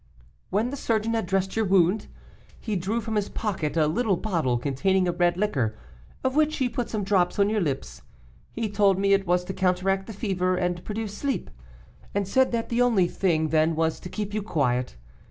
"When the surgeon had dressed your wound, he drew from his pocket a little bottle containing a red liquor, of which he put some drops on your lips. He told me it was to counteract the fever and produce sleep, and said that the only thing then was to keep you quiet.